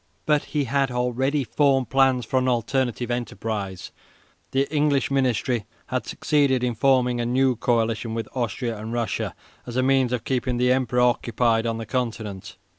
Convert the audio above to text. But he had already formed plans for an alternative enterprise. The English ministry had succeeded in forming a new coalition with Austria and Russia as a means of keeping the Emperor occupied on the Continent.